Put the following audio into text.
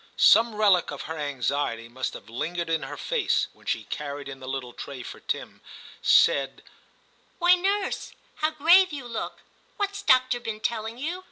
Some relic of her anxiety must have lingered in her face when she carried in the little tray, for Tim said, 'Why, nurse, how grave you look; what's doctor been telling you?'